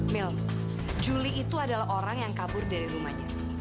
mil juli itu adalah orang yang kabur dari rumahnya